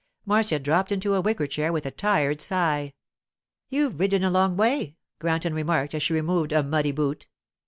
Marcia dropped into a wicker chair with a tired sigh. 'You've ridden a long way,' Granton remarked as she removed a muddy boot.